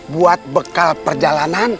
buat bekal perjalanan